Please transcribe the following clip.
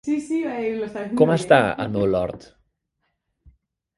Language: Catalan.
Com està, el meu lord?